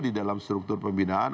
di dalam struktur pembinaan